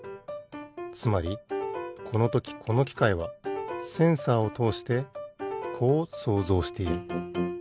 つまりこのときこのきかいはセンサーをとおしてこう想像している。